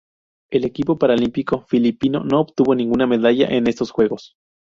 El equipo paralímpico filipino no obtuvo ninguna medalla en estos Juegos.